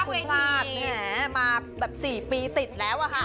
เดี๋ยวคุณลาดมา๔ปีติดแล้ว